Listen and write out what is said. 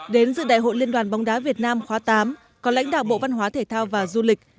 đến dự đại hội liên đoàn bóng đá việt nam khóa tám có lãnh đạo bộ văn hóa thể thao và du lịch